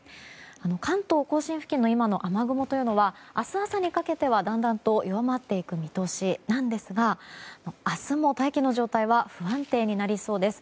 関東・甲信付近の今の雨雲は明日朝にかけては、だんだんと弱まっていく見通しですが明日も、大気の状態は不安定になりそうです。